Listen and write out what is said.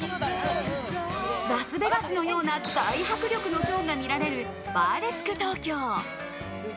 ラスベガスのような大迫力のショーが見られる、バーレスク東京。